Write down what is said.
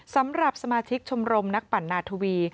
สำหรับสมาชิกชมรมนักปั่นนาทวี